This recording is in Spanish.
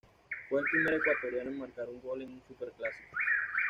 Fue el primer ecuatoriano en marcar un gol en un superclásico.